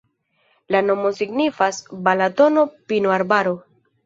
La nomo signifas: Balatono-pinoarbaro.